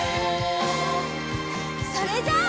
それじゃあ。